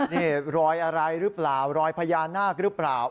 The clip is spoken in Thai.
นี่รอยอะไรหรือเปล่ารอยพญานาคหรือเปล่า